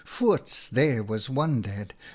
there was one dead !